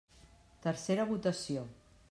Tercera votació.